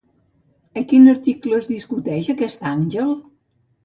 A quin article es discuteix aquest àngel?